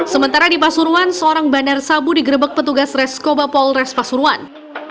sementara di pasuruan seorang bandar sabu digrebek petugas reskoba polres pasuruan